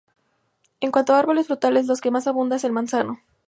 En cuanto a árboles frutales, lo que más abunda es el manzano.